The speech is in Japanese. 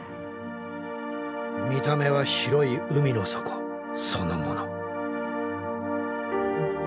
見た目は広い海の底そのもの。